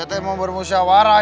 ya ya ya murah murah